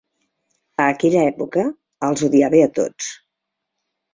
A aquella època, els odiava a tots.